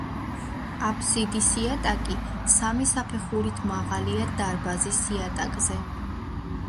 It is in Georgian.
აბსიდის იატაკი სამი საფეხურით მაღალია დარბაზის იატაკზე.